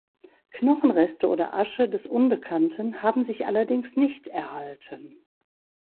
Knochenreste oder Asche des Unbekannten haben sich allerdings nicht erhalten.